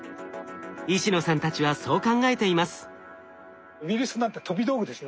石野さんたちはそう考えています。